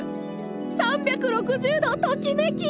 ３６０度ときめき！